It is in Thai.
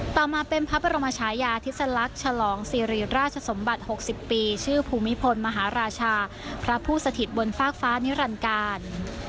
ต่อมาเป็นพระบรมชายาธิสลักษณ์ฉลองซีรีราชสมบัติ๖๐ปีชื่อภูมิพลมหาราชาพระผู้สถิตบนฟากฟ้านิรันการ